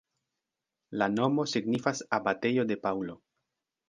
La nomo signifas abatejo de Paŭlo.